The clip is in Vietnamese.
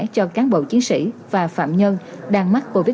cho cán bộ chiến sĩ và phạm nhân